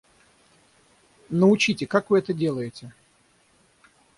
Научите, как вы это делаете?